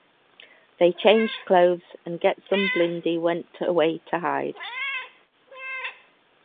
They changed clothes and Gestumblindi went away to hide.